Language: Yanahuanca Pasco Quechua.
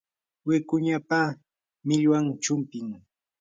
wikuñapa millwan chumpim.